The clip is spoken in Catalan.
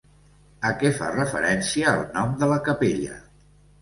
A què fa referència el nom de la capella?